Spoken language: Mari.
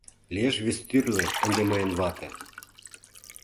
Лиеш вестӱрлӧ ынде мыйын вате.